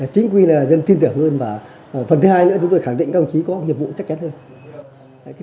chính quy là dân tin tưởng hơn và phần thứ hai nữa chúng tôi khẳng định các ông chí có nhiệm vụ chắc chắn hơn